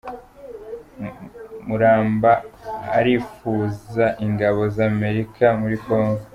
Muramba arifuza ingabo z’Amerika muri kongo